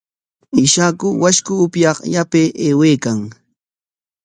Ishaku washku upyaq yapay aywaykan.